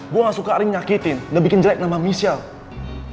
gue gak suka arin menyakitin gak bikin jelek nama michelle